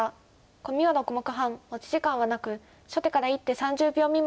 コミは６目半持ち時間はなく初手から１手３０秒未満で打って頂きます。